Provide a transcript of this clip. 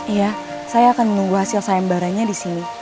iya saya akan menunggu hasil sayembaranya di sini